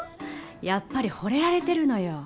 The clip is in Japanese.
やっぱりホレられてるのよ